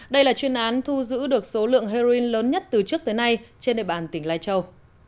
đây là chuyên án thu giữ được số lượng heroin lớn nhất từ trước tới nay trên địa bàn tỉnh lai châu